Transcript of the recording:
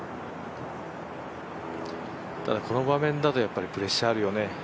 ただ、この場面だとプレッシャーあるよね。